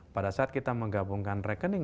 pada saat kita menggabungkan rekening